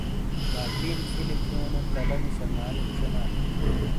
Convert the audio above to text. لالٹین فِیلی تھیونو تَلا نی شنگالِیک شینالے۔